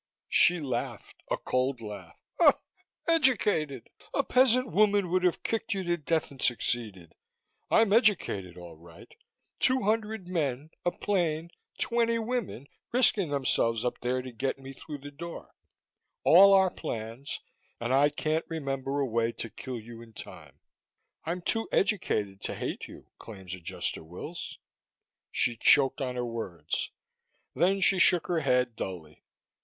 She laughed a cold laugh. "Educated! A peasant woman would have kicked you to death and succeeded. I'm educated, all right! Two hundred men, a plane, twenty women risking themselves up there to get me through the door. All our plans and I can't remember a way to kill you in time. I'm too educated to hate you, Claims Adjuster Wills!" She choked on the words. Then she shook her head dully.